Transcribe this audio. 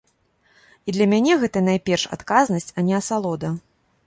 І для мяне гэта найперш адказнасць, а не асалода.